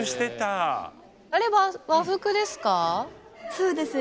そうです。